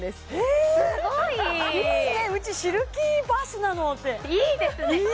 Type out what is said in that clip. いいねすごいいい「うちシルキーバスなの」っていいですね